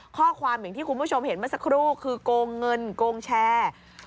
ข้อความอย่างที่คุณผู้ชมเห็นเมื่อสักครู่คือโกงเงินโกงแชร์